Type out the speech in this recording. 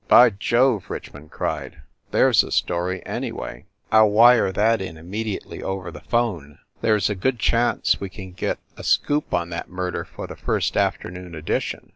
"By Jove!" Richmond cried, "there s a story, anyway! I ll wire that in immediately over the phone ; there s a good chance we can get a scoop on 310 FIND THE WOMAN that murder for the first afternoon edition!"